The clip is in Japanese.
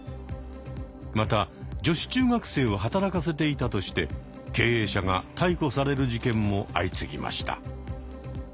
また女子中学生を働かせていたとして経営者が逮捕される事件も相次ぎました。